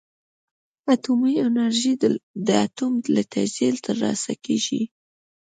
اټومي انرژي د اتوم له تجزیې ترلاسه کېږي.